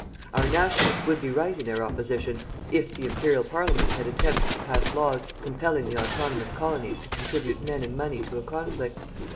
Our "Nationalists" would be right in their opposition if the Imperial Parliament had attempted to pass laws compelling the autonomous Colonies to contribute men and money to a conflict.